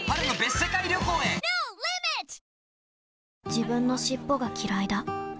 自分の尻尾がきらいだ